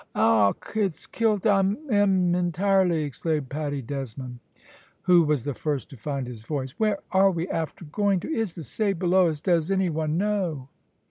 "Och, it's kilt I am entirely!" exclaimed Paddy Desmond, who was the first to find his voice. "Where are we after going to? Is the say below us, does any one know?"